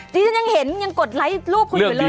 จริงยังเห็นยังกดไลค์รูปคุณอยู่เลยวันก่อน